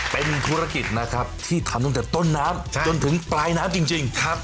เป็นธุรกิจที่ทำตั้งแต่ต้นน้ำจนถึงปลายน้ำจริง